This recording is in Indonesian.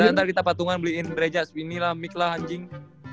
ntar ntar kita patungan beliin reja spinny lah mic lah anjing